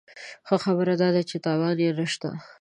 ښه خبره داده چې تاوان یې نه شته.